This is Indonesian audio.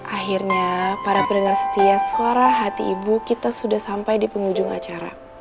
akhirnya para pedagang setia suara hati ibu kita sudah sampai di penghujung acara